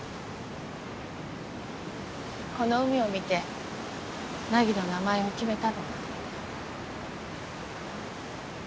この海を見て凪の名前を決めたの。